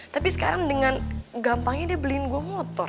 tapi sekarang dengan gampangnya dia beliin gue motor